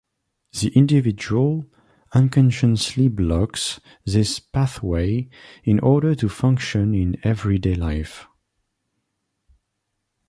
The individual unconsciously blocks these pathways in order to function in everyday life.